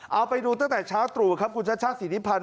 เอาไปดูตั้งแต่ช้าตรู่ครับคุณชัชชาศรีนิพันธ์